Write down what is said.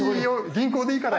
銀行でいいから。